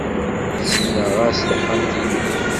Ssekneɣ-as taxxamt-inu.